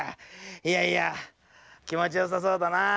いやいやきもちよさそうだなぁ。